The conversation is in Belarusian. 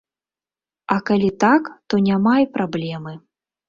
А калі так, то няма і праблемы.